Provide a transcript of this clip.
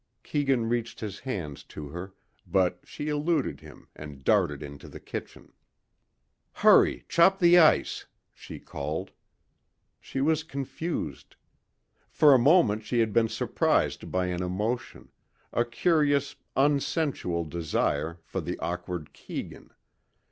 Keegan reached his hands to her but she eluded him and darted into the kitchen. "Hurry, chop the ice," she called. She was confused. For a moment she had been surprised by an emotion a curious, unsensual desire for the awkward Keegan.